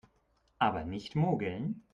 Aber nicht mogeln